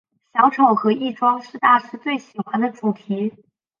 小丑和易装是大师最喜欢的主题。